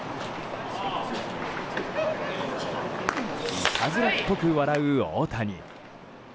いたずらっぽく笑う大谷。